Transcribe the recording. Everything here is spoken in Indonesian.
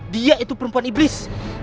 dia itu perempuan iblis